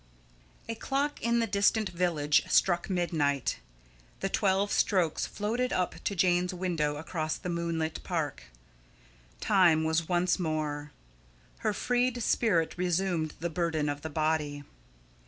A clock in the distant village struck midnight. The twelve strokes floated up to Jane's window across the moonlit park. Time was once more. Her freed spirit resumed the burden of the body.